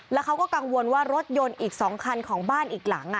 แล้วเขาก็กังวลว่ารถยนต์อีก๒คันของบ้านอีกหลัง